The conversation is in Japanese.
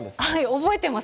覚えてます。